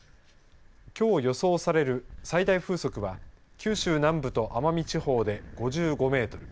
きょう予想される最大風速は九州南部と奄美地方で５５メートル。